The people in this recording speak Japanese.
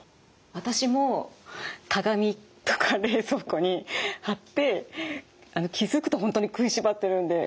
私も鏡とか冷蔵庫に貼って気付くと本当に食いしばってるんで離すようにしてるんです。